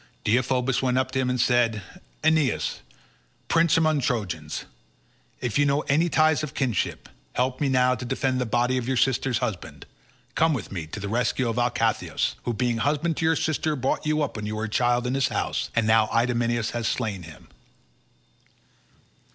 Deiphobus went up to him and said, "Aeneas, prince among the Trojans, if you know any ties of kinship, help me now to defend the body of your sister's husband; come with me to the rescue of Alcathous, who being husband to your sister brought you up when you were a child in his house, and now Idomeneus has slain him."